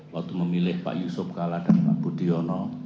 waktu memilih pak yusuf kala dan pak budiono